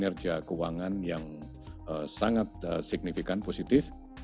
kinerja keuangan yang sangat signifikan positif